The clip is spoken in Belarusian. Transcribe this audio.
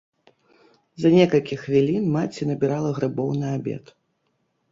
За некалькі хвілін маці набірала грыбоў на абед.